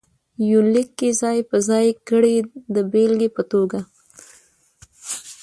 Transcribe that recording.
يونليک کې ځاى په ځاى کړي د بېلګې په توګه: